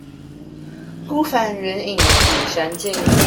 孤帆遠影碧山近